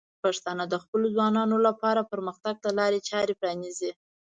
پښتانه د خپلو ځوانانو لپاره پرمختګ ته لارې چارې پرانیزي.